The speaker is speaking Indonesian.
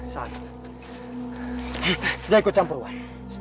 san sudah ikut campur wan